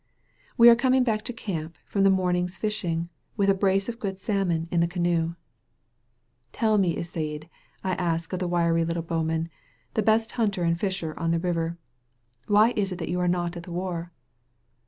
We are coming back to camp from the morn ing's fishing, with a brace of good salmon in the canoe. "TeD me, Iside," I ask of the wiry little bowman, the best hunter and fisher on the river, "why is it that you are not at the war?